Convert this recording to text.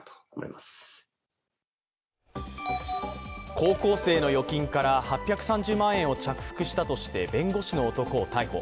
高校生の預金から８３０万円を着服したとして弁護士の男を逮捕。